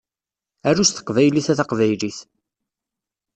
Aru s teqbaylit a taqbaylit!